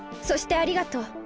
そしてありがとう。